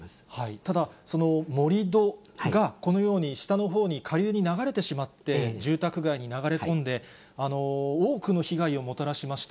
ただ、その盛り土がこのように下のほうに、下流に流れてしまって、住宅街に流れ込んで、多くの被害をもたらしました。